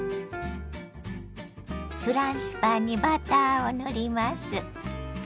フランスパンにバターを塗ります。